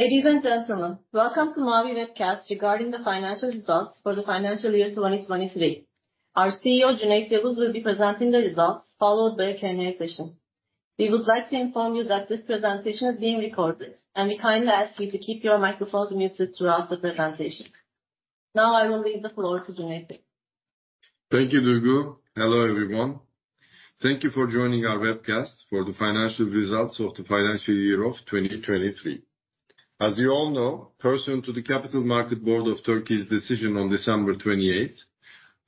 Ladies and gentlemen, welcome to Mavi webcast regarding the financial results for the financial year 2023. Our CEO, Cüneyt Yavuz, will be presenting the results, followed by a Q&A session. We would like to inform you that this presentation is being recorded, and we kindly ask you to keep your microphones muted throughout the presentation. Now, I will leave the floor to Cüneyt. Thank you, Duygu. Hello, everyone. Thank you for joining our webcast for the financial results of the financial year of 2023. As you all know, pursuant to the Capital Markets Board of Turkey's decision on December 28th,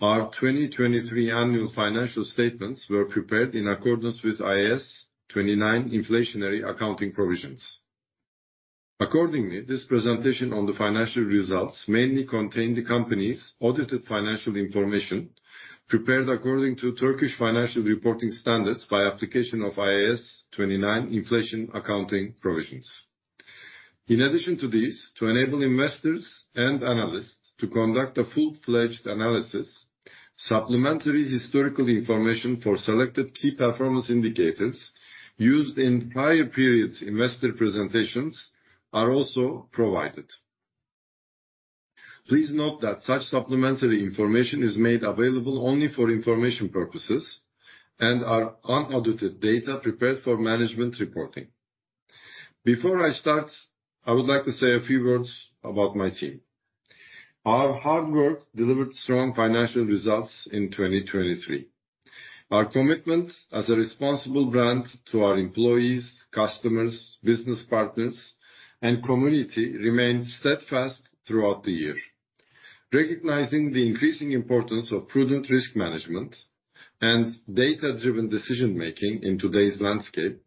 our 2023 annual financial statements were prepared in accordance with IAS 29 inflationary accounting provisions. Accordingly, this presentation on the financial results mainly contain the company's audited financial information, prepared according to Turkish financial reporting standards by application of IAS 29 inflation accounting provisions. In addition to this, to enable investors and analysts to conduct a full-fledged analysis, supplementary historical information for selected key performance indicators used in prior periods' investor presentations are also provided. Please note that such supplementary information is made available only for information purposes and are unaudited data prepared for management reporting. Before I start, I would like to say a few words about my team. Our hard work delivered strong financial results in 2023. Our commitment as a responsible brand to our employees, customers, business partners, and community remained steadfast throughout the year. Recognizing the increasing importance of prudent risk management and data-driven decision-making in today's landscape,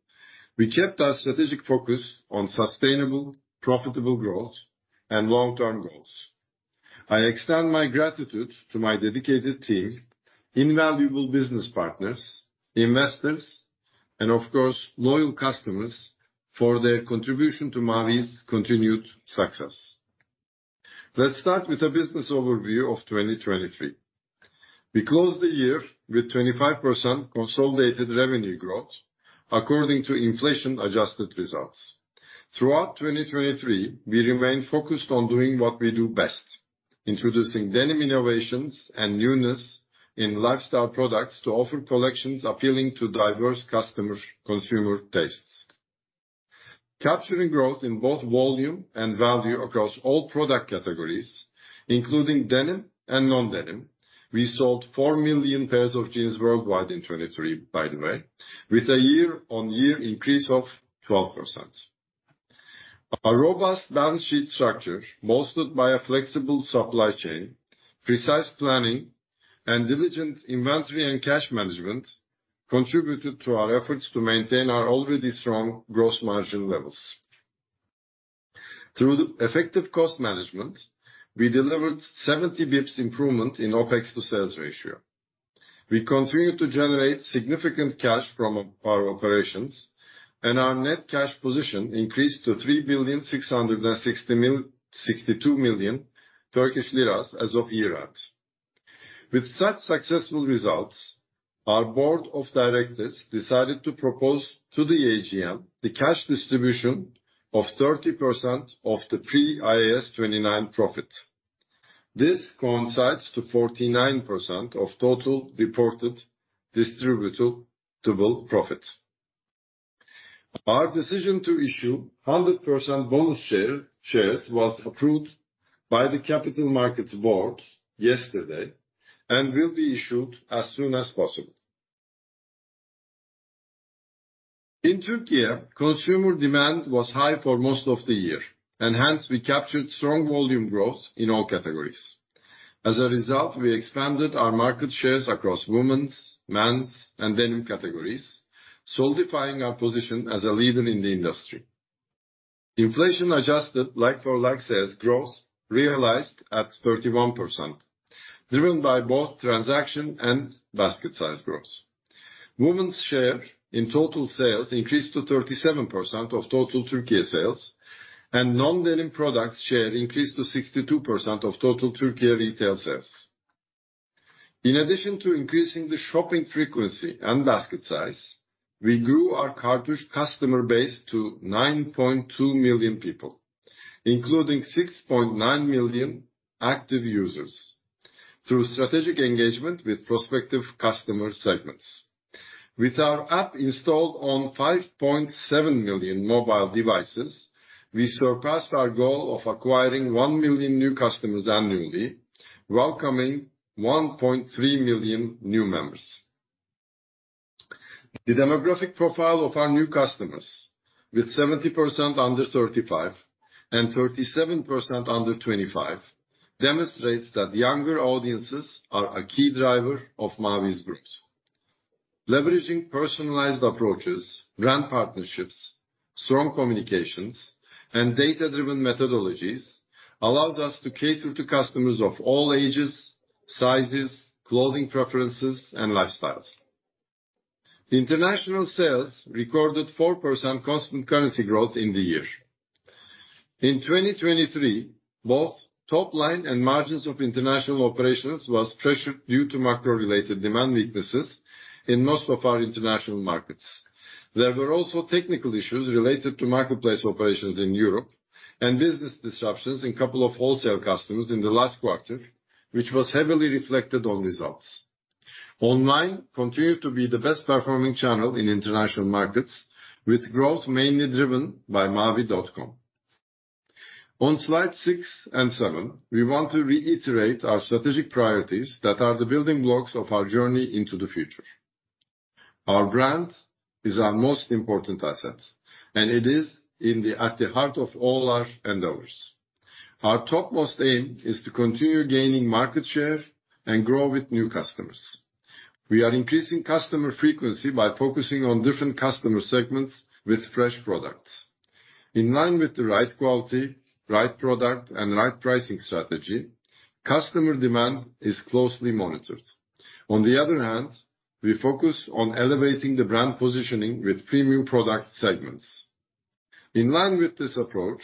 we kept our strategic focus on sustainable, profitable growth and long-term goals. I extend my gratitude to my dedicated team, invaluable business partners, investors, and of course, loyal customers for their contribution to Mavi's continued success. Let's start with a business overview of 2023. We closed the year with 25% consolidated revenue growth, according to inflation-adjusted results. Throughout 2023, we remained focused on doing what we do best, introducing denim innovations and newness in lifestyle products to offer collections appealing to diverse consumer tastes. Capturing growth in both volume and value across all product categories, including denim and non-denim, we sold four million pairs of jeans worldwide in 2023, by the way, with a year-on-year increase of 12%. Our robust balance sheet structure, bolstered by a flexible supply chain, precise planning, and diligent inventory and cash management, contributed to our efforts to maintain our already strong gross margin levels. Through the effective cost management, we delivered 70 basis points improvement in OpEx to sales ratio. We continued to generate significant cash from our operations, and our net cash position increased to 3,662 million Turkish lira as of year end. With such successful results, our board of directors decided to propose to the AGM the cash distribution of 30% of the pre-IAS 29 profit. This coincides to 49% of total reported distributable profit. Our decision to issue 100% bonus share, shares was approved by the Capital Markets Board yesterday and will be issued as soon as possible. In Turkey, consumer demand was high for most of the year, and hence, we captured strong volume growth in all categories. As a result, we expanded our market shares across women's, men's, and denim categories, solidifying our position as a leader in the industry. Inflation-adjusted like-for-like sales growth realized at 31%, driven by both transaction and basket size growth. Women's share in total sales increased to 37% of total Turkey sales, and non-denim products share increased to 62% of total Turkey retail sales. In addition to increasing the shopping frequency and basket size, we grew our Kartuş customer base to 9.2 million people, including 6.9 million active users, through strategic engagement with prospective customer segments. With our app installed on 5.7 million mobile devices, we surpassed our goal of acquiring 1 million new customers annually, welcoming 1.3 million new members. The demographic profile of our new customers, with 70% under 35 and 37% under 25, demonstrates that younger audiences are a key driver of Mavi's growth. Leveraging personalized approaches, brand partnerships, strong communications, and data-driven methodologies allows us to cater to customers of all ages, sizes, clothing preferences, and lifestyles. International sales recorded 4% constant currency growth in the year. In 2023, both top line and margins of international operations was pressured due to macro-related demand weaknesses in most of our international markets. There were also technical issues related to marketplace operations in Europe, and business disruptions in a couple of wholesale customers in the last quarter, which was heavily reflected on results. Online continued to be the best performing channel in international markets, with growth mainly driven by Mavi.com. On slide six and seven, we want to reiterate our strategic priorities that are the building blocks of our journey into the future. Our brand is our most important asset, and it is at the heart of all our endeavors. Our topmost aim is to continue gaining market share and grow with new customers. We are increasing customer frequency by focusing on different customer segments with fresh products. In line with the right quality, right product, and right pricing strategy, customer demand is closely monitored. On the other hand, we focus on elevating the brand positioning with premium product segments. In line with this approach,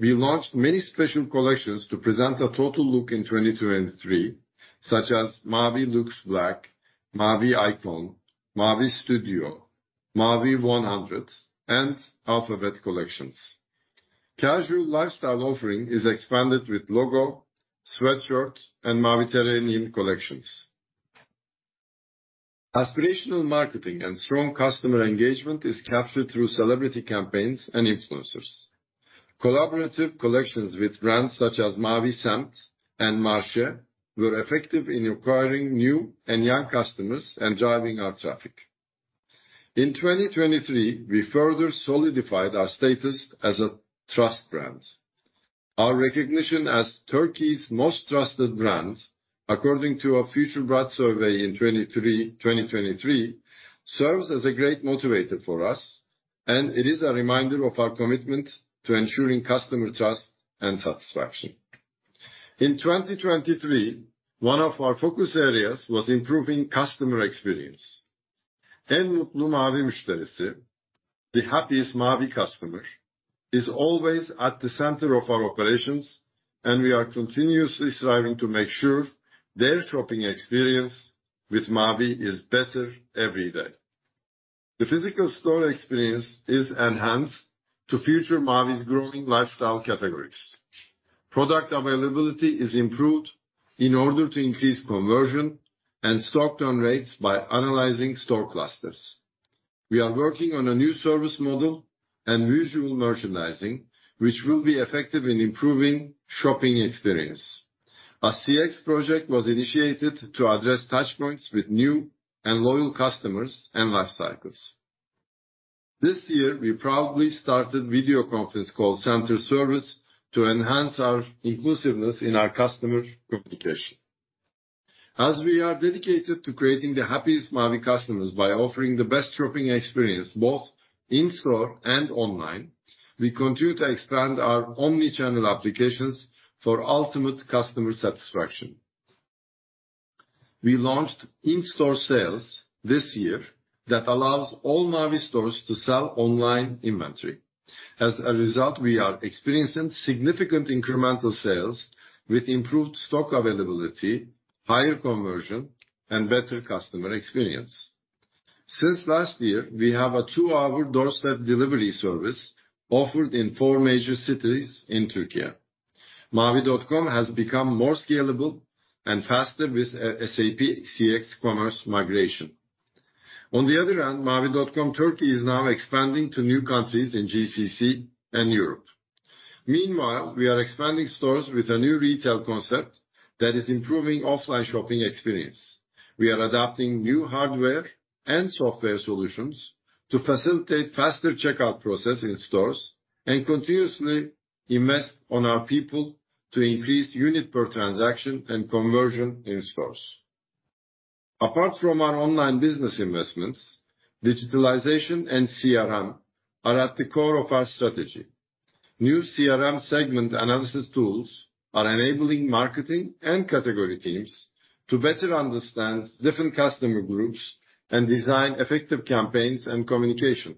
we launched many special collections to present a total look in 2023, such as Mavi Luxe Black, Mavi Icon, Mavi Studio, Mavi 100, and Alphabet collections. Casual lifestyle offering is expanded with logo, sweatshirt, and Maviterranean collections. Aspirational marketing and strong customer engagement is captured through celebrity campaigns and influencers. Collaborative collections with brands such as Mavi Semt and Marche were effective in acquiring new and young customers and driving our traffic. In 2023, we further solidified our status as a trust brand. Our recognition as Turkey's most trusted brand, according to a FutureBrand survey in 2023, serves as a great motivator for us, and it is a reminder of our commitment to ensuring customer trust and satisfaction. In 2023, one of our focus areas was improving customer experience...., the happiest Mavi customer, is always at the center of our operations, and we are continuously striving to make sure their shopping experience with Mavi is better every day. The physical store experience is enhanced to future Mavi's growing lifestyle categories. Product availability is improved in order to increase conversion and stock turn rates by analyzing store clusters. We are working on a new service model and visual merchandising, which will be effective in improving shopping experience. A CX project was initiated to address touch points with new and loyal customers and life cycles. This year, we proudly started video conference call center service to enhance our inclusiveness in our customer communication. As we are dedicated to creating the happiest Mavi customers by offering the best shopping experience, both in-store and online, we continue to expand our omni-channel applications for ultimate customer satisfaction. We launched in-store sales this year that allows all Mavi stores to sell online inventory. As a result, we are experiencing significant incremental sales with improved stock availability, higher conversion, and better customer experience. Since last year, we have a two-hour doorstep delivery service offered in four major cities in Türkiye. Mavi.com has become more scalable and faster with SAP CX Commerce migration. On the other hand, Mavi.com Turkey is now expanding to new countries in GCC and Europe. Meanwhile, we are expanding stores with a new retail concept that is improving offline shopping experience. We are adopting new hardware and software solutions to facilitate faster checkout process in stores, and continuously invest on our people to increase unit per transaction and conversion in stores. Apart from our online business investments, digitalization and CRM are at the core of our strategy. New CRM segment analysis tools are enabling marketing and category teams to better understand different customer groups and design effective campaigns and communication.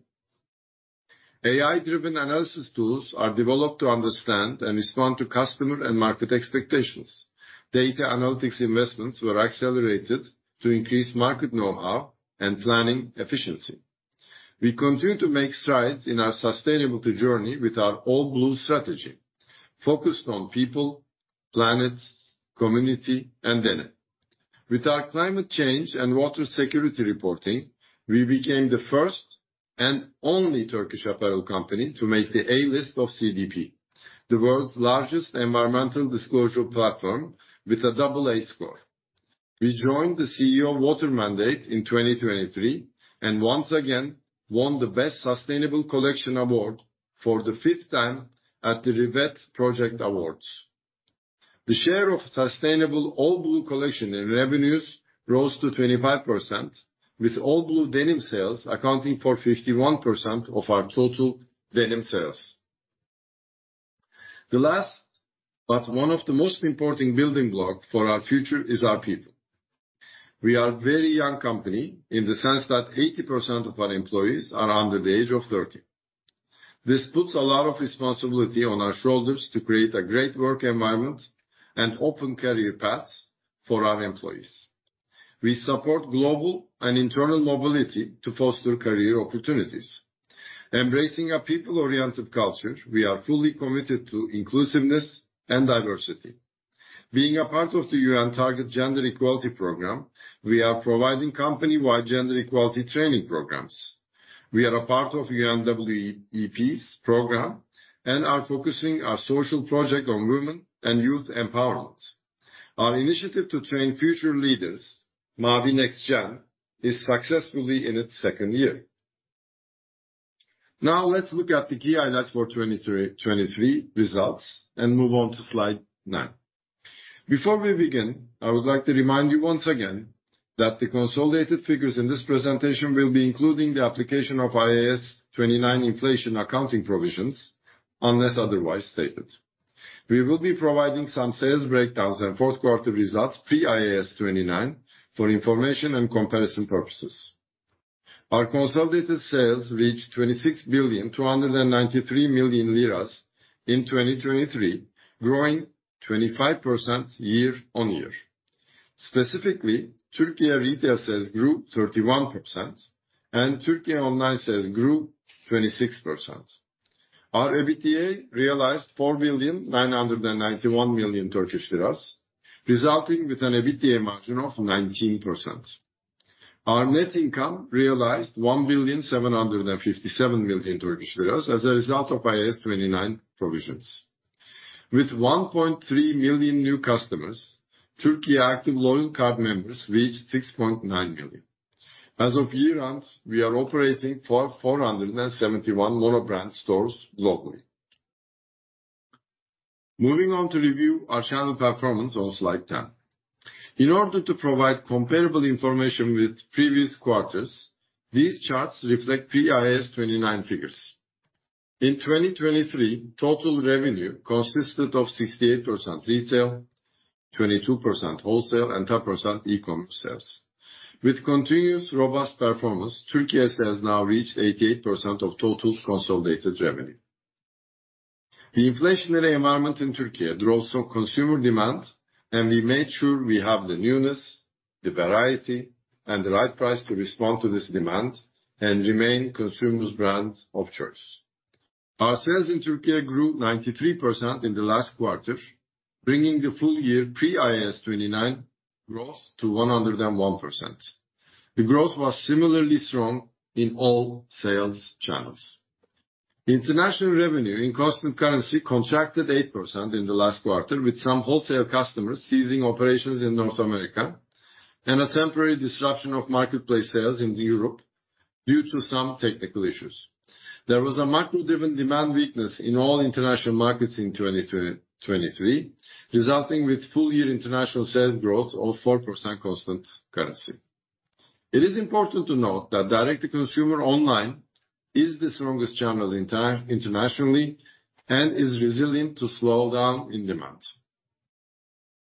AI-driven analysis tools are developed to understand and respond to customer and market expectations. Data analytics investments were accelerated to increase market know-how and planning efficiency. We continue to make strides in our sustainability journey with our All Blue strategy, focused on people, planet, community, and denim. With our climate change and water security reporting, we became the first and only Turkish apparel company to make the A list of CDP, the world's largest environmental disclosure platform with a double A score. We joined the CEO Water Mandate in 2023, and once again, won the Best Sustainable Collection award for the fifth time at the Rivet Project Awards. The share of sustainable All Blue collection in revenues rose to 25%, with All Blue denim sales accounting for 51% of our total denim sales. The last, but one of the most important building block for our future is our people. We are a very young company, in the sense that 80% of our employees are under the age of 30. This puts a lot of responsibility on our shoulders to create a great work environment and open career paths for our employees. We support global and internal mobility to foster career opportunities. Embracing a people-oriented culture, we are fully committed to inclusiveness and diversity. Being a part of the UN Target Gender Equality program, we are providing company-wide gender equality training programs. We are a part of UN WEPs program, and are focusing our social project on women and youth empowerment. Our initiative to train future leaders, Mavi Next Gen, is successfully in its second year. Now, let's look at the key highlights for 2023, 2023 results, and move on to slide nine. Before we begin, I would like to remind you once again, that the consolidated figures in this presentation will be including the application of IAS 29 inflation accounting provisions, unless otherwise stated. We will be providing some sales breakdowns and fourth quarter results, pre-IAS 29, for information and comparison purposes. Our consolidated sales reached 26,293 million lira in 2023, growing 25% year-on-year. Specifically, Turkey retail sales grew 31%, and Turkey online sales grew 26%. Our EBITDA realized 4,991 million Turkish lira, resulting with an EBITDA margin of 19%. Our net income realized 1,757 million Turkish lira, as a result of IAS 29 provisions. With 1.3 million new customers, Turkey active loyal card members reached 6.9 million. As of year-end, we are operating 471 monobrand stores globally. Moving on to review our channel performance on Slide 10. In order to provide comparable information with previous quarters, these charts reflect pre-IAS 29 figures. In 2023, total revenue consisted of 68% retail, 22% wholesale, and 10% e-com sales. With continuous robust performance, Turkey sales now reached 88% of total consolidated revenue. The inflationary environment in Turkey drove some consumer demand, and we made sure we have the newness, the variety, and the right price to respond to this demand and remain consumers' brand of choice. Our sales in Turkey grew 93% in the last quarter, bringing the full year pre-IAS 29 growth to 101%. The growth was similarly strong in all sales channels. International revenue in constant currency contracted 8% in the last quarter, with some wholesale customers ceasing operations in North America, and a temporary disruption of marketplace sales in Europe due to some technical issues. There was a macro-driven demand weakness in all international markets in 2023, resulting with full year international sales growth of 4% constant currency. It is important to note that direct-to-consumer online is the strongest channel entirely internationally, and is resilient to slow down in demand.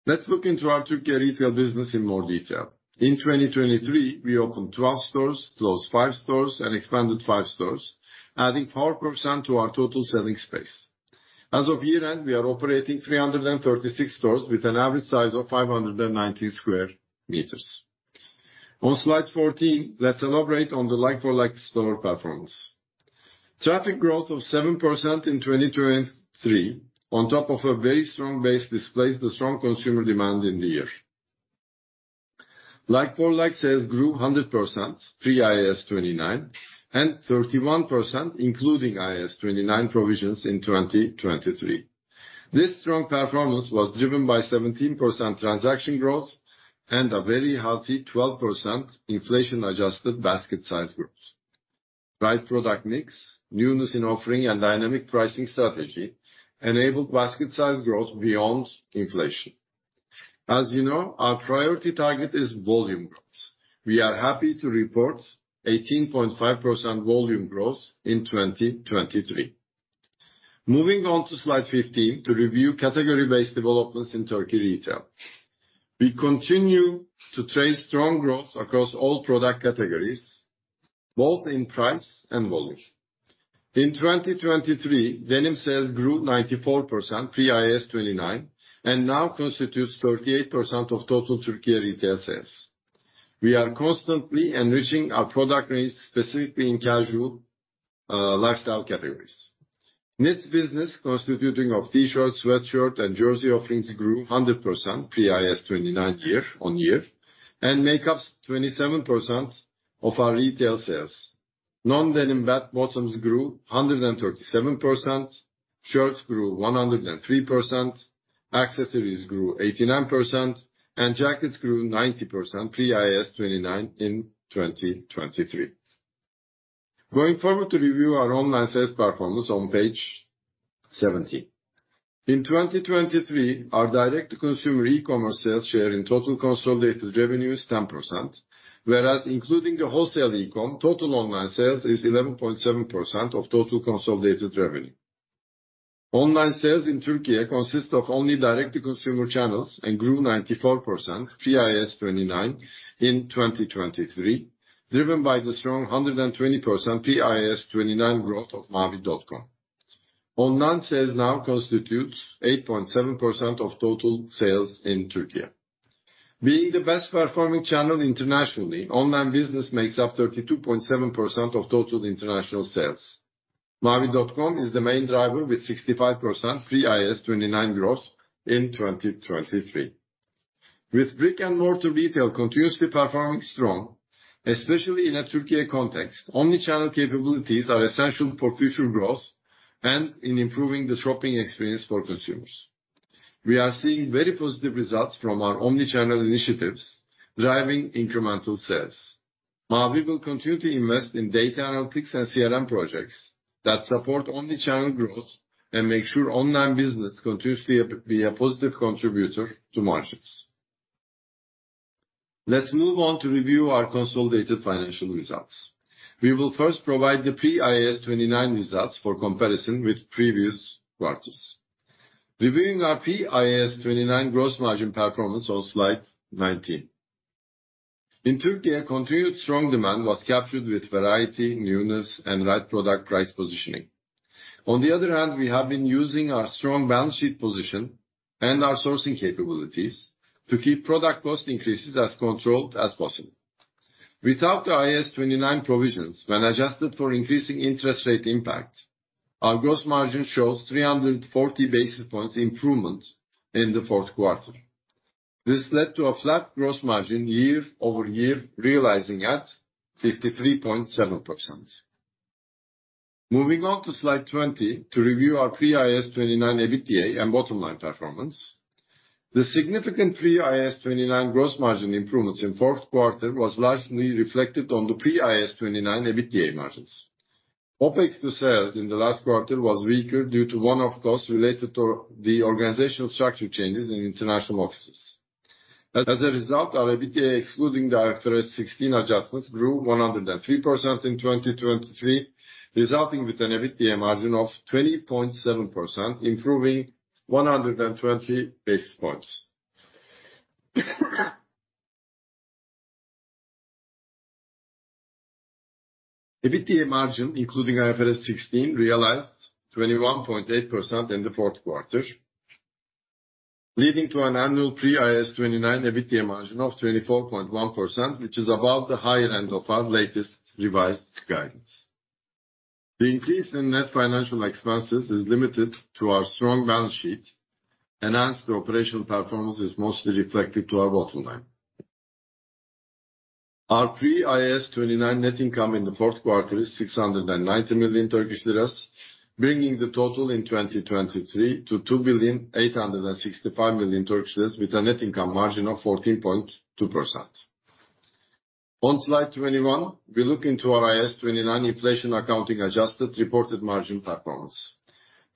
Let's look into our Turkey retail business in more detail. In 2023, we opened 12 stores, closed five stores, and expanded five stores, adding 4% to our total selling space. As of year-end, we are operating 336 stores with an average size of 590 sq m. On Slide 14, let's elaborate on the like-for-like store performance. Traffic growth of 7% in 2023, on top of a very strong base, displays the strong consumer demand in the year. Like-for-like sales grew 100% pre-IAS 29, and 31%, including IAS 29 provisions in 2023. This strong performance was driven by 17% transaction growth and a very healthy 12% inflation-adjusted basket size growth. Right product mix, newness in offering, and dynamic pricing strategy enabled basket size growth beyond inflation. As you know, our priority target is volume growth. We are happy to report 18.5% volume growth in 2023. Moving on to Slide 15, to review category-based developments in Turkey retail. We continue to trace strong growth across all product categories, both in price and volume. In 2023, denim sales grew 94% pre-IAS 29, and now constitutes 38% of total Turkey retail sales. We are constantly enriching our product range, specifically in casual, lifestyle categories. Knits business, constituting of T-shirts, sweatshirt, and jersey offerings, grew 100% pre-IAS 29 year-on-year, and makes up 27% of our retail sales. Non-denim pant bottoms grew 137%, shirts grew 103%, accessories grew 89%, and jackets grew 90% pre-IAS 29 in 2023. Going forward to review our online sales performance on Page 17. In 2023, our direct-to-consumer e-commerce sales share in total consolidated revenue is 10%, whereas including the wholesale e-com, total online sales is 11.7% of total consolidated revenue. Online sales in Turkey consist of only direct-to-consumer channels and grew 94% pre-IAS 29 in 2023, driven by the strong 120% pre-IAS 29 growth of Mavi.com. Online sales now constitutes 8.7% of total sales in Turkey. Being the best performing channel internationally, online business makes up 32.7% of total international sales. Mavi.com is the main driver, with 65% pre-IAS 29 growth in 2023. With brick-and-mortar retail continuously performing strong, especially in a Turkey context, omni-channel capabilities are essential for future growth and in improving the shopping experience for consumers. We are seeing very positive results from our omni-channel initiatives, driving incremental sales. Mavi will continue to invest in data analytics and CRM projects that support omni-channel growth and make sure online business continues to be a positive contributor to margins. Let's move on to review our consolidated financial results. We will first provide the pre-IAS 29 results for comparison with previous quarters. Reviewing our pre-IAS 29 gross margin performance on Slide 19. In Turkey, a continued strong demand was captured with variety, newness, and right product price positioning. On the other hand, we have been using our strong balance sheet position and our sourcing capabilities to keep product cost increases as controlled as possible. Without the IAS 29 provisions, when adjusted for increasing interest rate impact, our gross margin shows 340 basis points improvement in the fourth quarter. This led to a flat gross margin year-over-year, realizing at 53.7%. Moving on to Slide 20 to review our pre-IAS 29 EBITDA and bottom line performance. The significant pre-IAS 29 gross margin improvements in fourth quarter was largely reflected on the pre-IAS 29 EBITDA margins. OpEx to sales in the last quarter was weaker due to one-off costs related to the organizational structure changes in international offices. As a result, our EBITDA, excluding the IFRS 16 adjustments, grew 103% in 2023, resulting with an EBITDA margin of 20.7%, improving 120 basis points. EBITDA margin, including IFRS 16, realized 21.8% in the fourth quarter, leading to an annual pre-IAS 29 EBITDA margin of 24.1%, which is above the higher end of our latest revised guidance. The increase in net financial expenses is limited to our strong balance sheet, and as the operational performance is mostly reflected to our bottom line. Our pre-IAS 29 net income in the fourth quarter is 690 million Turkish lira, bringing the total in 2023 to 2,865 million Turkish lira, with a net income margin of 14.2%. On Slide 21, we look into our IAS 29 inflation accounting adjusted reported margin performance.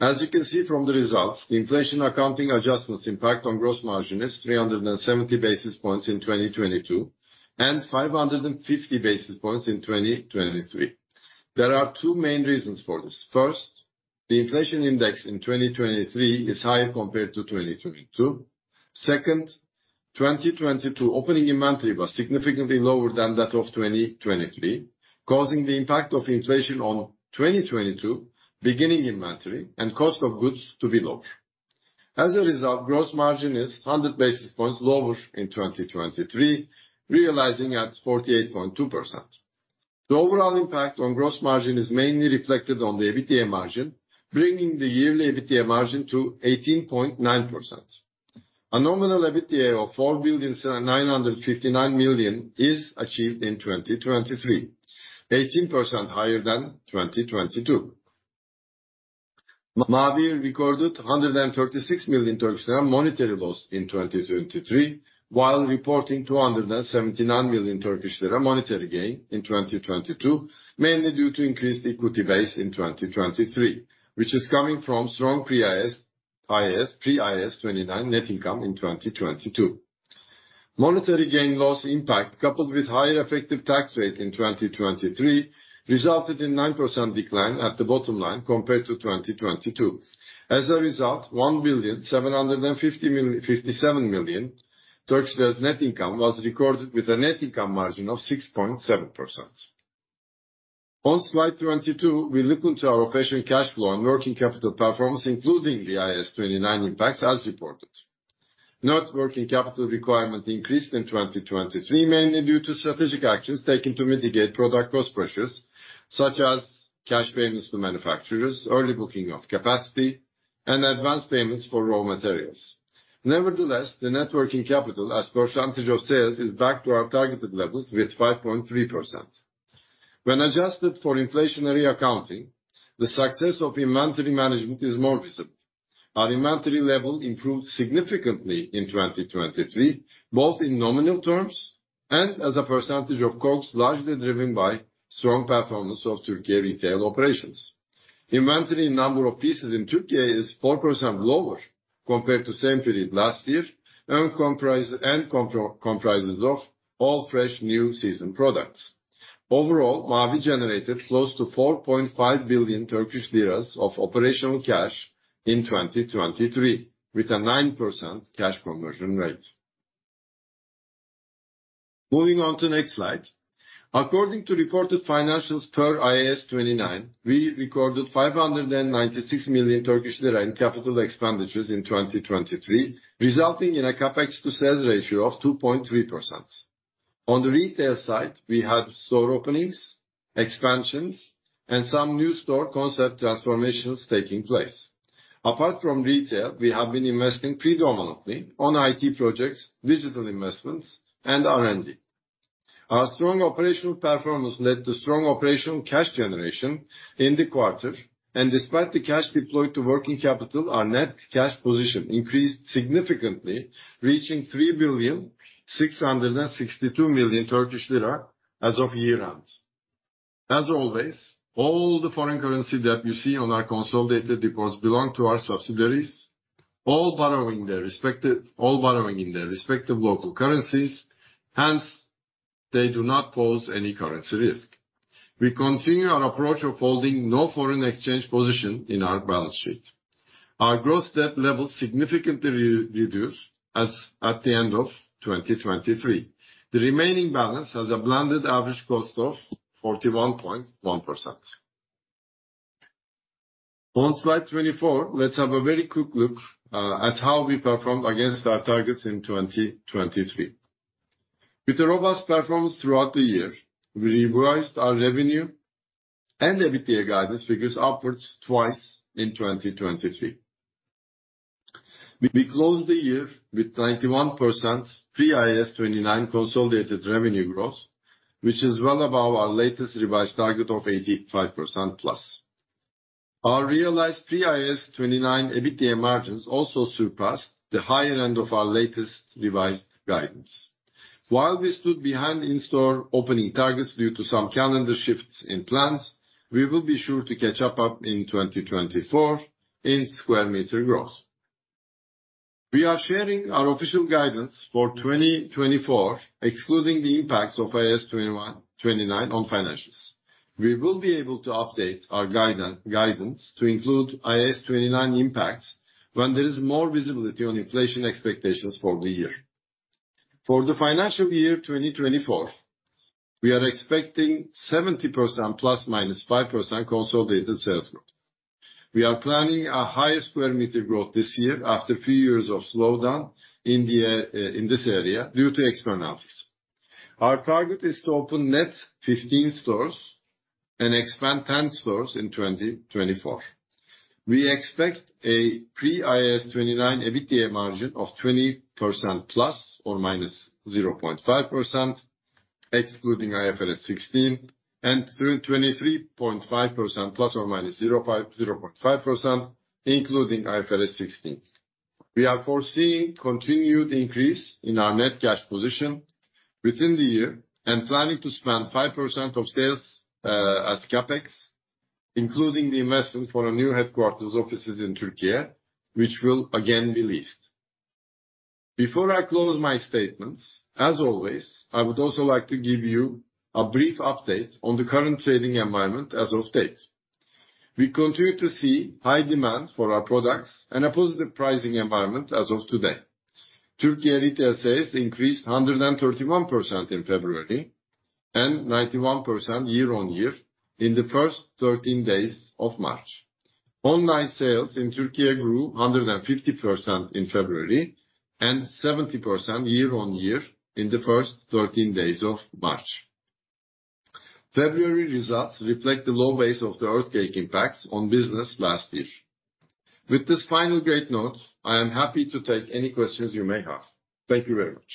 As you can see from the results, the inflation accounting adjustments impact on gross margin is 370 basis points in 2022, and 550 basis points in 2023. There are two main reasons for this. First, the inflation index in 2023 is higher compared to 2022. Second, 2022 opening inventory was significantly lower than that of 2023, causing the impact of inflation on 2022 beginning inventory and cost of goods to be lower. As a result, gross margin is 100 basis points lower in 2023, realizing at 48.2%. The overall impact on gross margin is mainly reflected on the EBITDA margin, bringing the yearly EBITDA margin to 18.9%. A nominal EBITDA of 4.959 billion is achieved in 2023, 18% higher than 2022. Mavi recorded 136 million Turkish lira monetary loss in 2023, while reporting 279 million Turkish lira monetary gain in 2022, mainly due to increased equity base in 2023, which is coming from strong pre-IAS 29 net income in 2022. Monetary gain loss impact, coupled with higher effective tax rate in 2023, resulted in 9% decline at the bottom line compared to 2022. As a result, 1,757 million net income was recorded, with a net income margin of 6.7%. On Slide 22, we look into our operational cash flow and working capital performance, including the IAS 29 impacts as reported. Net working capital requirement increased in 2023, mainly due to strategic actions taken to mitigate product cost pressures, such as cash payments to manufacturers, early booking of capacity, and advanced payments for raw materials. Nevertheless, the net working capital as percentage of sales, is back to our targeted levels with 5.3%. When adjusted for inflationary accounting, the success of inventory management is more visible. Our inventory level improved significantly in 2023, both in nominal terms and as a percentage of costs, largely driven by strong performance of Turkey retail operations. Inventory number of pieces in Turkey is 4% lower compared to same period last year, and comprises of all fresh new season products. Overall, Mavi generated close to 4.5 billion Turkish lira of operational cash in 2023, with a 9% cash conversion rate. Moving on to next slide. According to reported financials per IAS 29, we recorded 596 million Turkish lira in capital expenditures in 2023, resulting in a CapEx to sales ratio of 2.3%. On the retail side, we had store openings, expansions, and some new store concept transformations taking place. Apart from retail, we have been investing predominantly on IT projects, digital investments, and R&D. Our strong operational performance led to strong operational cash generation in the quarter, and despite the cash deployed to working capital, our net cash position increased significantly, reaching 3,662 million Turkish lira as of year end. As always, all the foreign currency that you see on our consolidated reports belong to our subsidiaries, all borrowing in their respective local currencies, hence, they do not pose any currency risk. We continue our approach of holding no foreign exchange position in our balance sheet. Our gross debt level significantly reduced as at the end of 2023. The remaining balance has a blended average cost of 41.1%. On Slide 24, let's have a very quick look at how we performed against our targets in 2023. With a robust performance throughout the year, we revised our revenue and EBITDA guidance figures upwards twice in 2023. We closed the year with 91% pre-IAS 29 consolidated revenue growth, which is well above our latest revised target of 85%+. Our realized pre-IAS 29 EBITDA margins also surpassed the higher end of our latest revised guidance. While we stood behind in-store opening targets due to some calendar shifts in plans, we will be sure to catch up in 2024 in square meter growth. We are sharing our official guidance for 2024, excluding the impacts of IAS 21, 29 on financials. We will be able to update our guidance to include IAS 29 impacts when there is more visibility on inflation expectations for the year. For the financial year 2024, we are expecting 70% ±5% consolidated sales growth. We are planning a higher square meter growth this year after a few years of slowdown in the, in this area due to externalities. Our target is to open net 15 stores and expand 10 stores in 2024. We expect a pre-IAS 29 EBITDA margin of 20% ±0.5%, excluding IFRS 16, and through 23.5% ±0.5, 0.5%, including IFRS 16. We are foreseeing continued increase in our net cash position within the year and planning to spend 5% of sales, as CapEx, including the investment for a new headquarters offices in Türkiye, which will again be leased. Before I close my statements, as always, I would also like to give you a brief update on the current trading environment as of date. We continue to see high demand for our products and a positive pricing environment as of today. Türkiye retail sales increased 131% in February, and 91% year-on-year in the first 13 days of March. Online sales in Türkiye grew 150% in February, and 70% year-on-year in the first 13 days of March. February results reflect the low base of the earthquake impacts on business last year. With this final great note, I am happy to take any questions you may have. Thank you very much.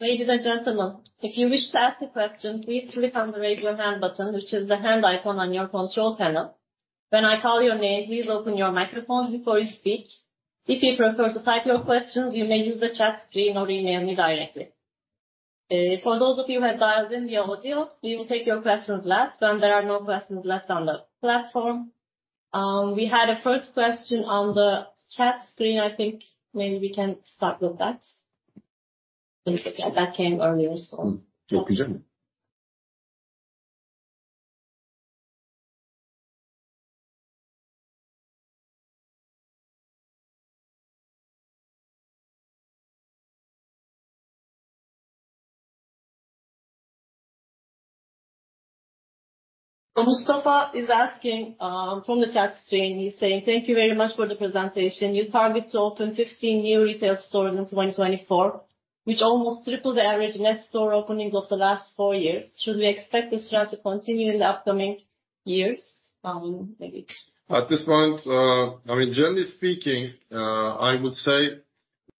Ladies and gentlemen, if you wish to ask a question, please click on the Raise Your Hand button, which is the hand icon on your control panel. When I call your name, please open your microphone before you speak. If you prefer to type your question, you may use the chat screen or email me directly. For those of you who have dialed in via audio, we will take your questions last when there are no questions left on the platform. We had a first question on the chat screen. I think maybe we can start with that. That came earlier, so. Okay. Mustafa is asking, from the chat screen, he's saying: Thank you very much for the presentation. You target to open 15 new retail stores in 2024, which almost triple the average net store opening of the last four years. Should we expect this trend to continue in the upcoming years? At this point, I mean, generally speaking, I would say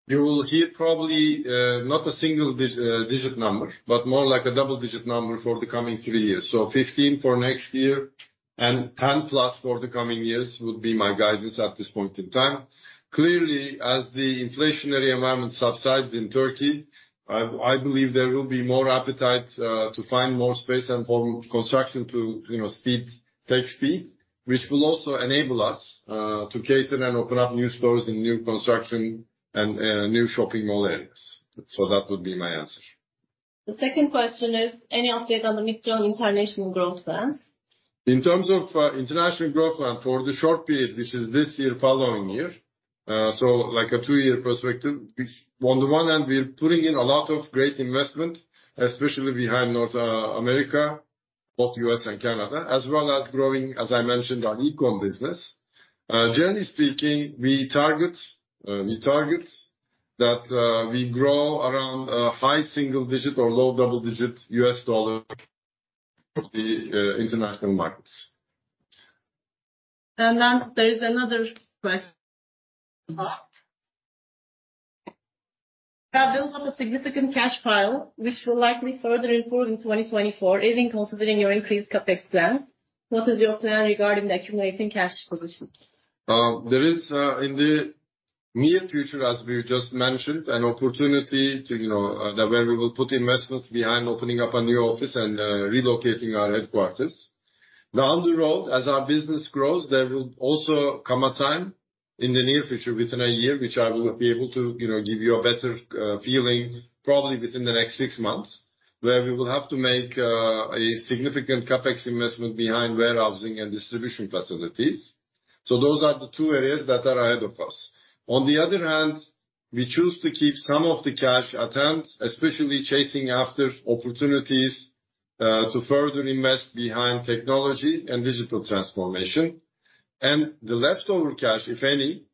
you will hear probably not a single digit number, but more like a double-digit number for the coming three years. So 15 for next year and 10+ for the coming years would be my guidance at this point in time. Clearly, as the inflationary environment subsides in Türkiye, I believe there will be more appetite to find more space and for construction to, you know, speed, take speed which will also enable us to cater and open up new stores in new construction and new shopping mall areas. So that would be my answer. The second question is, any update on the mid-term international growth plan? In terms of international growth plan for the short period, which is this year, following year, so like a two-year perspective, which on the one hand, we are putting in a lot of great investment, especially behind North America, both U.S. and Canada, as well as growing, as I mentioned, our e-com business. Generally speaking, we target that we grow around high single digit or low double digit US dollar from the international markets. And then there is another question. You have built up a significant cash pile, which will likely further improve in 2024, even considering your increased CapEx plans. What is your plan regarding the accumulating cash position? There is, in the near future, as we just mentioned, an opportunity to, you know, where we will put investments behind opening up a new office and, relocating our headquarters. Down the road, as our business grows, there will also come a time in the near future, within a year, which I will be able to, you know, give you a better, feeling, probably within the next six months, where we will have to make, a significant CapEx investment behind warehousing and distribution facilities. So those are the two areas that are ahead of us. On the other hand, we choose to keep some of the cash at hand, especially chasing after opportunities, to further invest behind technology and digital transformation. The leftover cash, if any,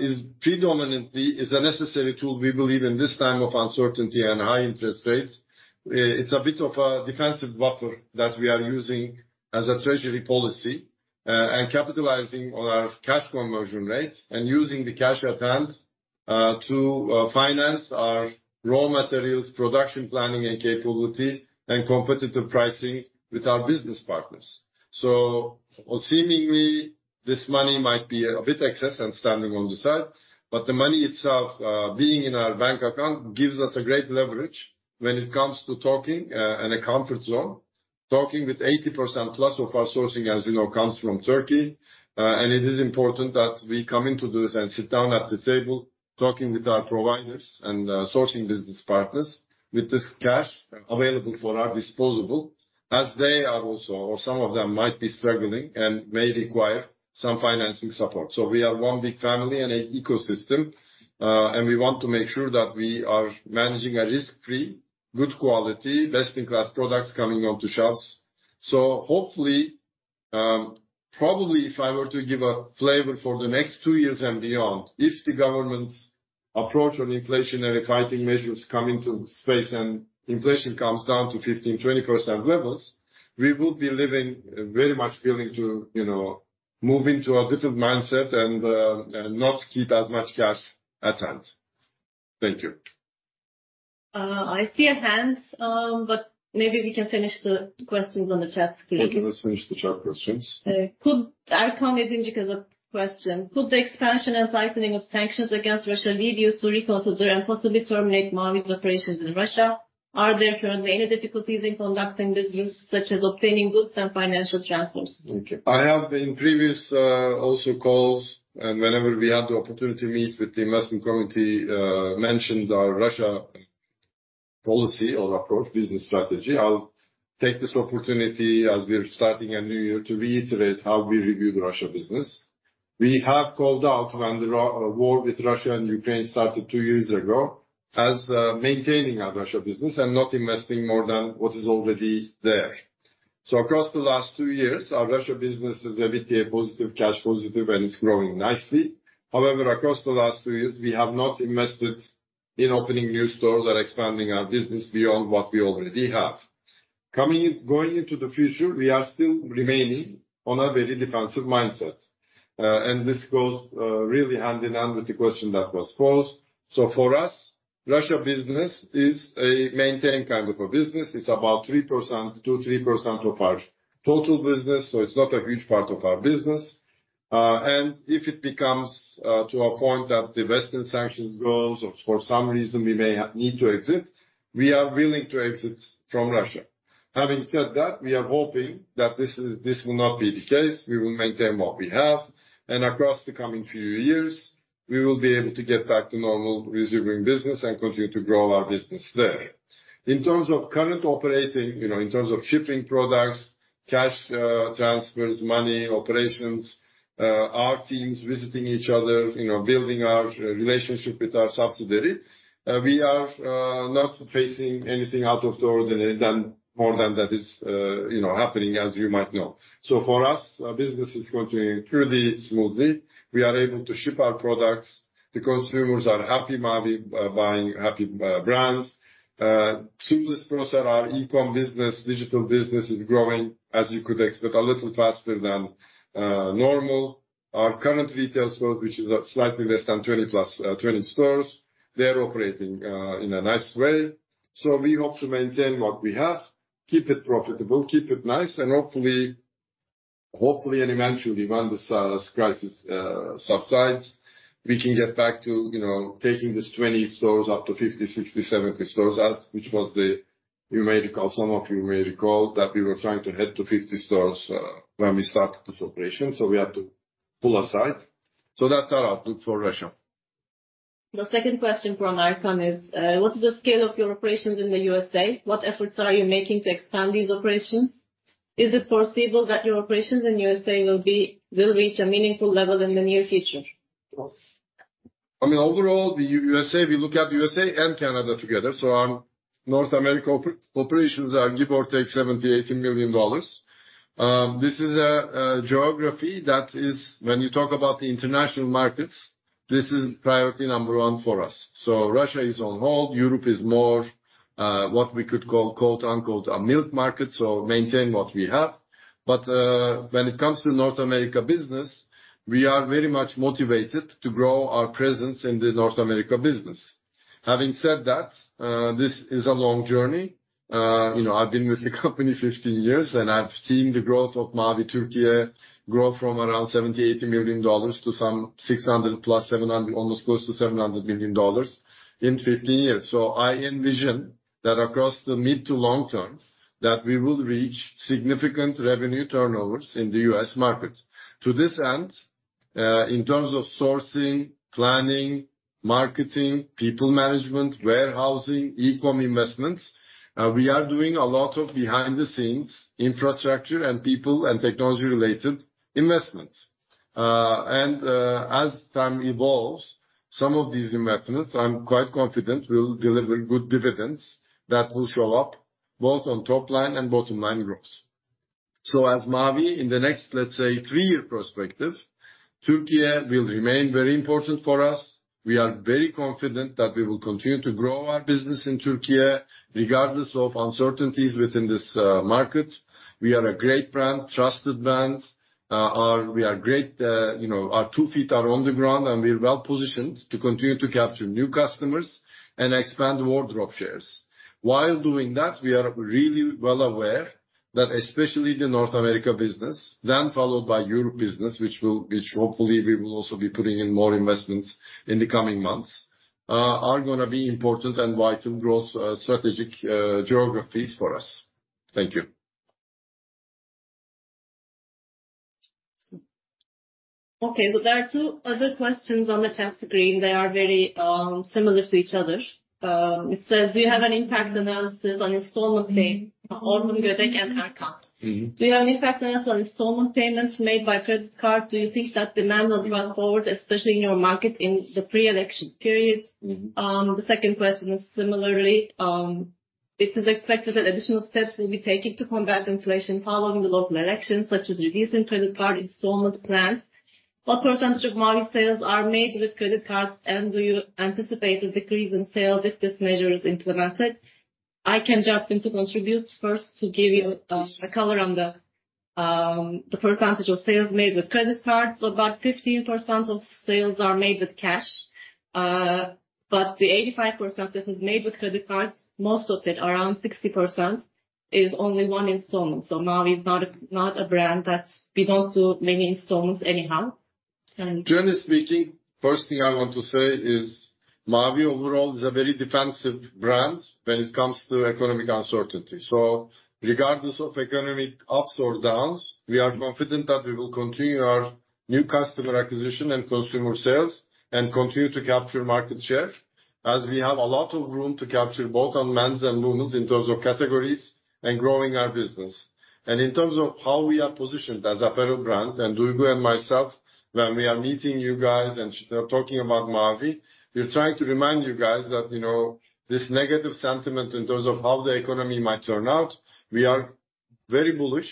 is predominantly a necessary tool we believe in this time of uncertainty and high interest rates. It's a bit of a defensive buffer that we are using as a treasury policy, and capitalizing on our cash conversion rate and using the cash at hand to finance our raw materials, production, planning and capability, and competitive pricing with our business partners. Seemingly, this money might be a bit excess and standing on the side, but the money itself, being in our bank account, gives us great leverage when it comes to talking and a comfort zone talking with 80% plus of our sourcing, as we know, comes from Turkey. It is important that we come into this and sit down at the table, talking with our providers and sourcing business partners with this cash available for our disposable, as they are also, or some of them might be struggling and may require some financing support. So we are one big family and an ecosystem, and we want to make sure that we are managing a risk-free, good quality, best-in-class products coming onto shelves. So hopefully, probably if I were to give a flavor for the next two years and beyond, if the government's approach on inflationary fighting measures come into space and inflation comes down to 15%-20% levels, we will be living very much willing to, you know, move into a different mindset and, and not keep as much cash at hand. Thank you. I see a hand, but maybe we can finish the questions on the chat screen. Okay, let's finish the chat questions. Erkan Edinç has a question. Could the expansion and tightening of sanctions against Russia lead you to reconsider and possibly terminate Mavi's operations in Russia? Are there currently any difficulties in conducting business, such as obtaining goods and financial transfers? Thank you. I have in previous also calls, and whenever we had the opportunity to meet with the investment committee, mentioned our Russia policy or approach business strategy. I'll take this opportunity, as we are starting a new year, to reiterate how we review the Russia business. We have called out when the war with Russia and Ukraine started two years ago, as maintaining our Russia business and not investing more than what is already there. So across the last two years, our Russia business is a bit positive, cash positive, and it's growing nicely. However, across the last two years, we have not invested in opening new stores or expanding our business beyond what we already have. Going into the future, we are still remaining on a very defensive mindset, and this goes really hand in hand with the question that was posed. So for us, Russia business is a maintained kind of a business. It's about 3%, 2%-3% of our total business, so it's not a huge part of our business. And if it becomes to a point that the Western sanctions goes or for some reason we may need to exit, we are willing to exit from Russia. Having said that, we are hoping that this is, this will not be the case. We will maintain what we have, and across the coming few years, we will be able to get back to normal resuming business and continue to grow our business there. In terms of current operating, you know, in terms of shipping products, cash, transfers, money, operations, our teams visiting each other, you know, building our relationship with our subsidiary, we are, not facing anything out of the ordinary than more than that is, you know, happening, as you might know. So for us, business is continuing truly smoothly. We are able to ship our products. The consumers are happy, Mavi, buying happy, brands. Through this process, our e-com business, digital business, is growing, as you could expect, a little faster than, normal. Our current retail store, which is at slightly less than 20 plus, 20 stores, they're operating, in a nice way. So we hope to maintain what we have, keep it profitable, keep it nice, and hopefully, hopefully and eventually, when this crisis subsides, we can get back to, you know, taking these 20 stores up to 50, 60, 70 stores, as which was the-... You may recall, some of you may recall that we were trying to head to 50 stores when we started this operation, so we had to pull aside. So that's our outlook for Russia. The second question from Erkan Edinç is, what is the scale of your operations in the USA? What efforts are you making to expand these operations? Is it foreseeable that your operations in USA will reach a meaningful level in the near future? I mean, overall, the USA, we look at USA and Canada together. So our North America operations are give or take $70-$80 million. This is a geography that is when you talk about the international markets, this is priority number one for us. So Russia is on hold. Europe is more what we could call, quote-unquote, a milk market, so maintain what we have. But when it comes to North America business, we are very much motivated to grow our presence in the North America business. Having said that, this is a long journey. You know, I've been with the company 15 years, and I've seen the growth of Mavi Turkey grow from around $70 million-$80 million to some $600 million+-$700 million, almost close to $700 million in 15 years. So I envision that across the mid to long term, that we will reach significant revenue turnovers in the US market. To this end, in terms of sourcing, planning, marketing, people management, warehousing, e-com investments, we are doing a lot of behind-the-scenes infrastructure and people and technology-related investments. And, as time evolves, some of these investments, I'm quite confident, will deliver good dividends that will show up both on top line and bottom line growth. So as Mavi, in the next, let's say, three-year perspective, Turkey will remain very important for us. We are very confident that we will continue to grow our business in Turkey, regardless of uncertainties within this market. We are a great brand, trusted brand. Our... We are great, you know, our two feet are on the ground, and we're well positioned to continue to capture new customers and expand wardrobe shares. While doing that, we are really well aware that especially the North America business, then followed by Europe business, which hopefully we will also be putting in more investments in the coming months, are gonna be important and vital growth, strategic, geographies for us. Thank you. Okay, there are two other questions on the chat screen. They are very, similar to each other. It says, "Do you have an impact analysis on installment payment?" Orkun Gödek and Erkan Edinç. Mm-hmm. Do you have an impact analysis on installment payments made by credit card? Do you think that demand was brought forward, especially in your market, in the pre-election period? Mm-hmm. The second question is similarly: "It is expected that additional steps will be taken to combat inflation following the local elections, such as reducing credit card installment plans. What percentage of Mavi sales are made with credit cards, and do you anticipate a decrease in sales if this measure is implemented?" I can jump in to contribute. First, to give you a color on the percentage of sales made with credit cards. So about 15% of sales are made with cash, but the 85% that is made with credit cards, most of it, around 60%, is only one installment. So Mavi is not a brand that's... We don't do many installments anyhow, and- Generally speaking, first thing I want to say is, Mavi overall is a very defensive brand when it comes to economic uncertainty. So regardless of economic ups or downs, we are confident that we will continue our new customer acquisition and consumer sales, and continue to capture market share, as we have a lot of room to capture both on men's and women's in terms of categories and growing our business. And in terms of how we are positioned as apparel brand, and Duygu and myself, when we are meeting you guys and talking about Mavi, we're trying to remind you guys that, you know, this negative sentiment in terms of how the economy might turn out, we are very bullish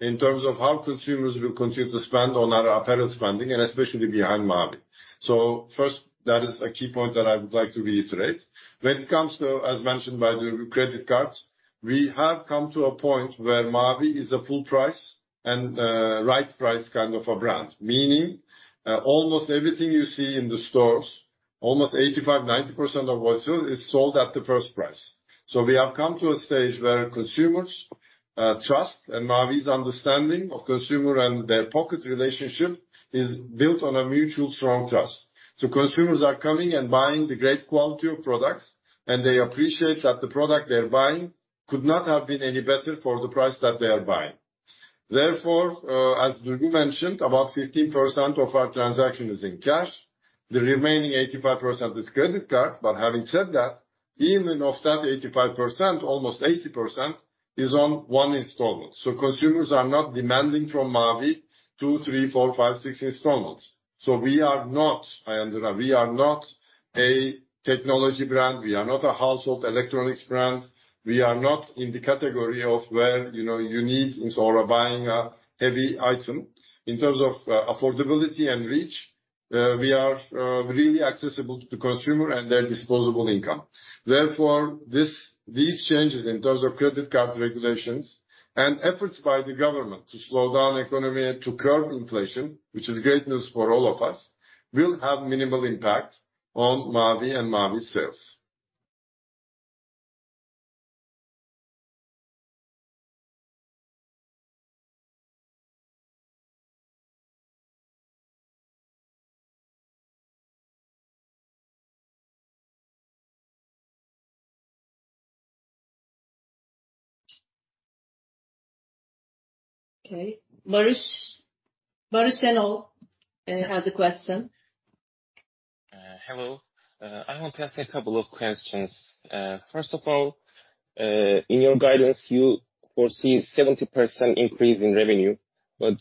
in terms of how consumers will continue to spend on our apparel spending and especially behind Mavi. So first, that is a key point that I would like to reiterate. When it comes to, as mentioned by the credit cards, we have come to a point where Mavi is a full price and, right price kind of a brand. Meaning, almost everything you see in the stores, almost 85%-90% of what's sold, is sold at the first price. So we have come to a stage where consumers, trust, and Mavi's understanding of consumer and their pocket relationship is built on a mutual strong trust. So consumers are coming and buying the great quality of products, and they appreciate that the product they're buying could not have been any better for the price that they are buying. Therefore, as Duygu mentioned, about 15% of our transaction is in cash. The remaining 85% is credit card. But having said that, even of that 85%, almost 80% is on 1 installment. So consumers are not demanding from Mavi, 2, 3, 4, 5, 6 installments. So we are not, Ayanda, we are not a technology brand. We are not a household electronics brand. We are not in the category of where, you know, you need in sort of buying a heavy item. In terms of, affordability and reach, we are, really accessible to consumer and their disposable income. Therefore, these changes in terms of credit card regulations and efforts by the government to slow down economy and to curb inflation, which is great news for all of us, will have minimal impact on Mavi and Mavi sales. ... Okay, Barış Şenol has a question. Hello. I want to ask a couple of questions. First of all, in your guidance, you foresee 70% increase in revenue, but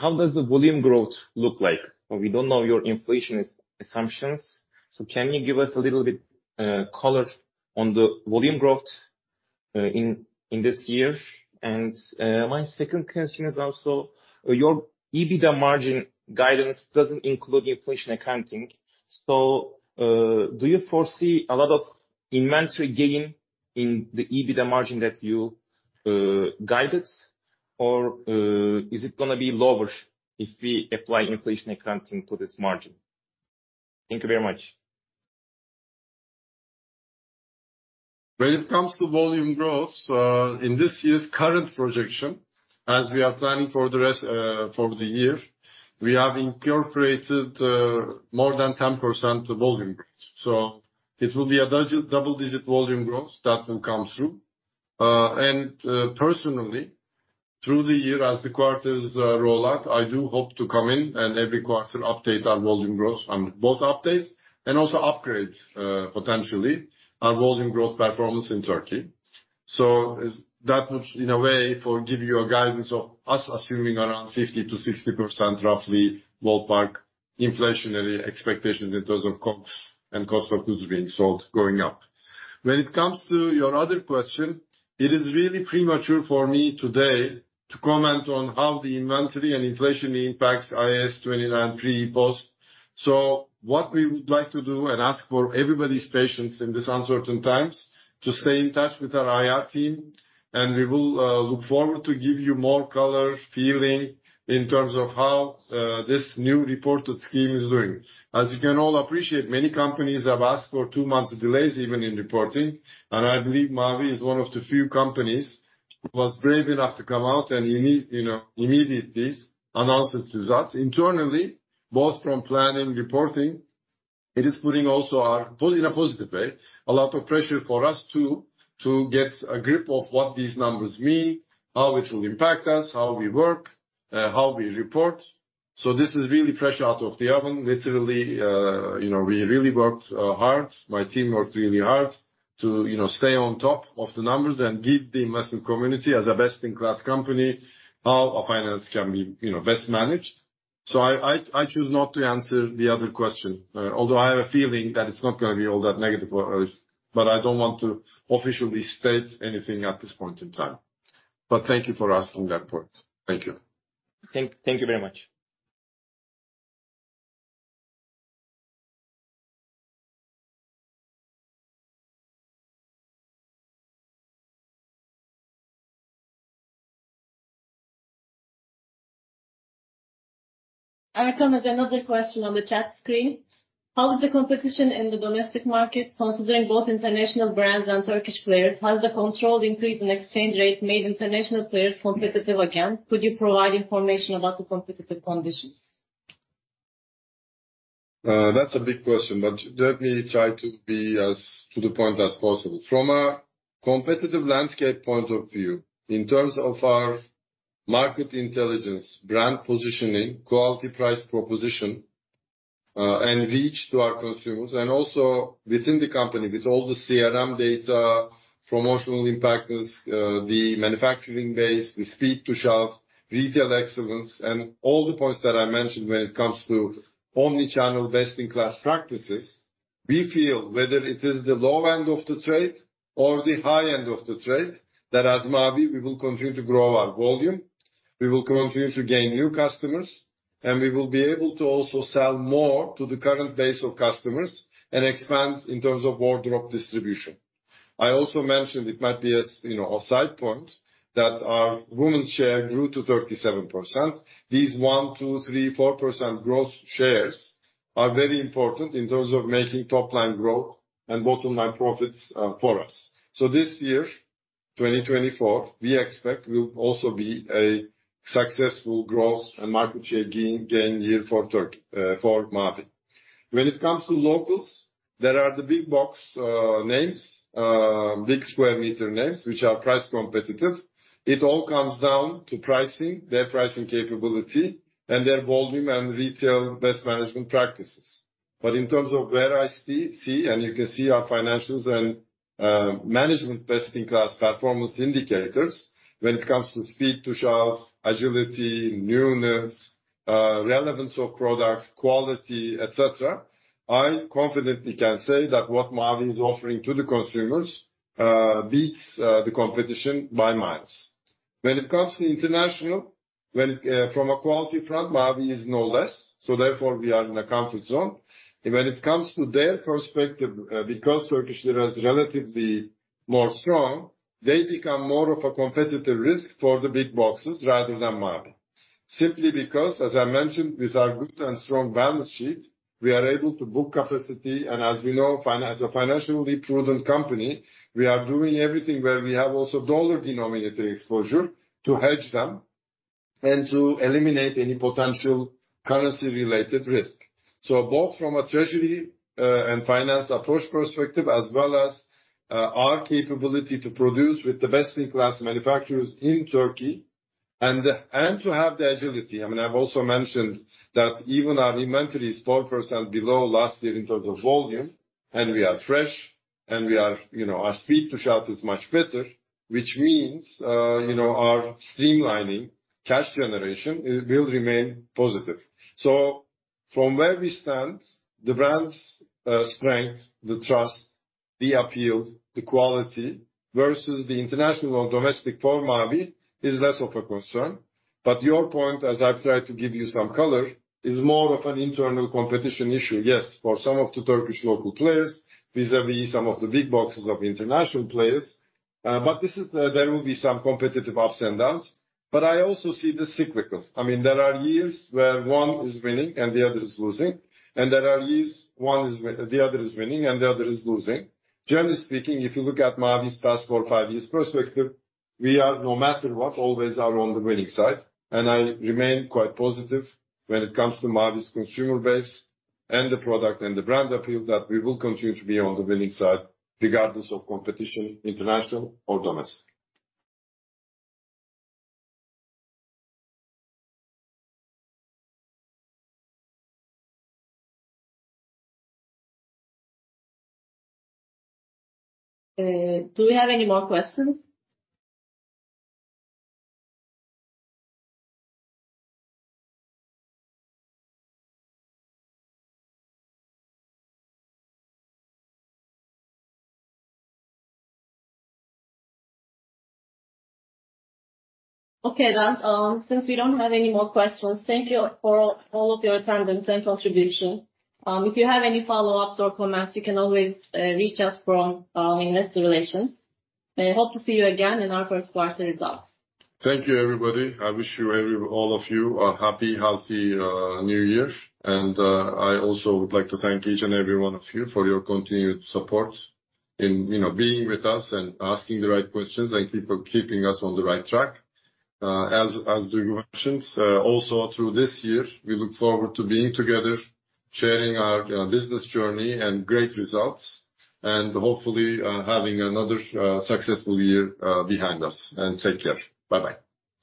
how does the volume growth look like? We don't know your inflation assumptions, so can you give us a little bit color on the volume growth in this year? And my second question is also, your EBITDA margin guidance doesn't include inflation accounting, so do you foresee a lot of inventory gain in the EBITDA margin that you guided? Or is it gonna be lower if we apply inflation accounting to this margin? Thank you very much. When it comes to volume growth, in this year's current projection, as we are planning for the rest, for the year, we have incorporated, more than 10% volume growth. So it will be a double-digit volume growth that will come through. And, personally, through the year, as the quarters, roll out, I do hope to come in, and every quarter update our volume growth on both updates, and also upgrade, potentially, our volume growth performance in Turkey. So is that, in a way, to give you a guidance of us assuming around 50%-60%, roughly, ballpark inflationary expectations in terms of COGS and cost of goods being sold going up. When it comes to your other question, it is really premature for me today to comment on how the inventory and inflation impacts IAS 29 three post. So what we would like to do, and ask for everybody's patience in this uncertain times, to stay in touch with our IR team, and we will look forward to give you more color feeling in terms of how this new reported scheme is doing. As you can all appreciate, many companies have asked for two months delays even in reporting, and I believe Mavi is one of the few companies who was brave enough to come out and immed- you know, immediately announce its results. Internally, both from planning, reporting, it is putting also our... Well, in a positive way, a lot of pressure for us, too, to get a grip of what these numbers mean, how it will impact us, how we work how we report. So this is really fresh out of the oven. Literally you know, we really worked hard. My team worked really hard to, you know, stay on top of the numbers and give the investment community, as a best-in-class company, how our finance can be, you know, best managed. I choose not to answer the other question, although I have a feeling that it's not gonna be all that negative for us, but I don't want to officially state anything at this point in time. Thank you for asking that part. Thank you. Thank you very much. Erkan, there's another question on the chat screen: How is the competition in the domestic market, considering both international brands and Turkish players? Has the controlled increase in exchange rate made international players competitive again? Could you provide information about the competitive conditions? That's a big question, but let me try to be as to the point as possible. From a competitive landscape point of view, in terms of our market intelligence, brand positioning, quality-price proposition, and reach to our consumers, and also within the company, with all the CRM data, promotional impacters, the manufacturing base, the speed to shelf, retail excellence, and all the points that I mentioned when it comes to omni-channel best-in-class practices, we feel whether it is the low end of the trade or the high end of the trade, that as Mavi, we will continue to grow our volume, we will continue to gain new customers, and we will be able to also sell more to the current base of customers and expand in terms of wardrobe distribution. I also mentioned, it might be as, you know, a side point, that our women's share grew to 37%. These one, two, three, four percent growth shares are very important in terms of making top-line growth and bottom line profits, for us. So this year, 2024, we expect will also be a successful growth and market share gain, gain year for Turkey, for Mavi. When it comes to locals, there are the big box, names, big square meter names, which are price competitive. It all comes down to pricing, their pricing capability, and their volume and retail best management practices. But in terms of where I see, and you can see our financials and management best-in-class performance indicators, when it comes to speed to shelf, agility, newness, relevance of products, quality, et cetera, I confidently can say that what Mavi is offering to the consumers beats the competition by miles. When it comes to international, when from a quality front, Mavi is no less, so therefore we are in a comfort zone. When it comes to their perspective, because Turkish lira is relatively more strong, they become more of a competitive risk for the big boxes rather than Mavi. Simply because, as I mentioned, with our good and strong balance sheet, we are able to book capacity, and as we know, as a financially prudent company, we are doing everything where we have also dollar-denominated exposure to hedge them-... and to eliminate any potential currency-related risk. So both from a treasury and finance approach perspective, as well as our capability to produce with the best-in-class manufacturers in Turkey, and to have the agility. I mean, I've also mentioned that even our inventory is 4% below last year in terms of volume, and we are fresh, and we are—you know, our speed to shelf is much better, which means you know, our streamlining cash generation will remain positive. So from where we stand, the brand's strength, the trust, the appeal, the quality versus the international or domestic for Mavi is less of a concern. But your point, as I've tried to give you some color, is more of an internal competition issue. Yes, for some of the Turkish local players, vis-à-vis some of the big boxes of international players, but this is. There will be some competitive ups and downs, but I also see the cyclical. I mean, there are years where one is winning and the other is losing, and there are years one is winning and the other is losing. Generally speaking, if you look at Mavi's past four, five years perspective, we are, no matter what, always are on the winning side. And I remain quite positive when it comes to Mavi's consumer base and the product and the brand appeal, that we will continue to be on the winning side, regardless of competition, international or domestic. Do we have any more questions? Okay, guys, since we don't have any more questions, thank you for all of your time and contribution. If you have any follow-ups or comments, you can always reach us from investor relations. I hope to see you again in our first quarter results. Thank you, everybody. I wish you every, all of you a happy, healthy, New Year. And, I also would like to thank each and every one of you for your continued support in, you know, being with us and asking the right questions, and keep on keeping us on the right track. As, as do your questions, also through this year, we look forward to being together, sharing our, you know, business journey and great results, and hopefully, having another, successful year, behind us. And take care. Bye-bye.